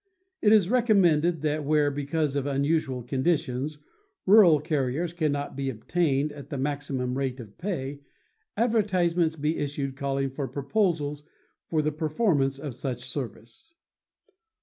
It is recommended that where because of unusual conditions, rural carriers cannot be obtained at the maximum rate of pay, advertisements be issued calling for proposals for the performance of such service.